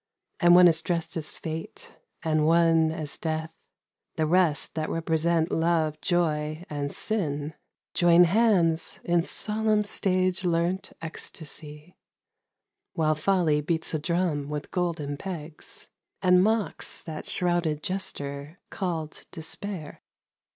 And one is dressed as Fate, and one as Death, The rest that represent Love, Joy and Sin, Join hands in solemn stage learnt ecstasy, While Folly beats a drum with golden pegs, And mocks that shrouded Jester called Despair.